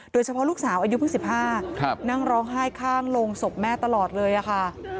โดยเฉพาะลูกสาวอายุเพิ่ง๑๕นั่งร้องไห้ข้างโรงศพแม่ตลอดเลยค่ะ